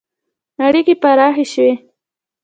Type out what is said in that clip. • اړیکې پراخې شوې.